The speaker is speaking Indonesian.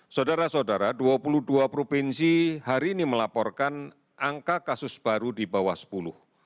saudara saudara dua puluh dua provinsi hari ini melaporkan angka kasus baru di bawah sepuluh